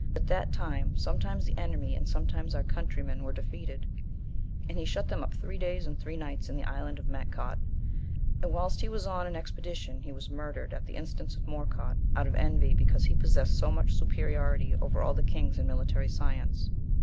But at that time sometimes the enemy and sometimes our countrymen were defeated, and he shut them up three days and three nights in the island of Metcaut; and whilst he was on an expedition he was murdered, at the instance of Morcant, out of envy, because he possessed so much superiority over all the kings in military science.